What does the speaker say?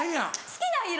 好きな色？